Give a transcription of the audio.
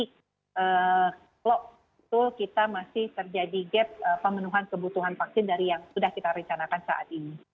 kalau betul kita masih terjadi gap pemenuhan kebutuhan vaksin dari yang sudah kita rencanakan saat ini